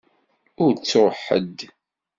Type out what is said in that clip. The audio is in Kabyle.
Ur ttuɣ ḥedd?